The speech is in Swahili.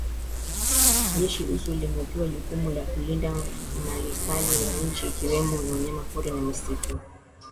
Jeshi Usu limepewa jukumu la kulinda maliasili za nchi ikiwemo wanyama pori na misitu